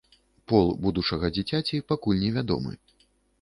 Пол будучага дзіцяці пакуль невядомы.